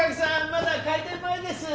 まだ開店前です。